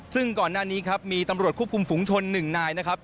ซึ่งก่อนหน้านี้ครับมีตำรวจควบคุมฝุงชน๑นายนะครับ